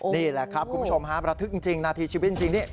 นี่แหละครับคุณผู้ชมฮะระทึกจริงนาทีชีวิตจริงนี่